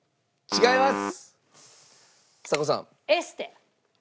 違います！